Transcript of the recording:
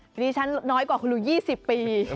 กันนี้ฉันน้อยกว่าคุณลุง๒๐ปี